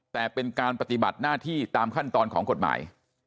แต่เป็นการปฏิบัติหน้าที่ตามขั้นตอนของกฎหมาย